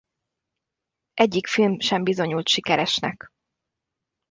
Egyik film sem bizonyult sikeresnek.